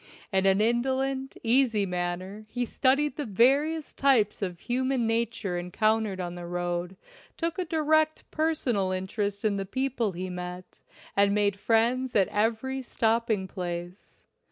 In an indolent, easy manner he studied the various types of human nature encountered on the road, took a direct personal interest in the people he met, and made friends at every stopping place.